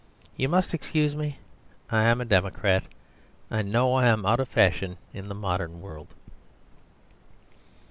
You must excuse me; I am a democrat; I know I am out of fashion in the modern world.